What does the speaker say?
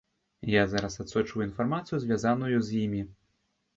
Я зараз адсочваю інфармацыю, звязаную з імі.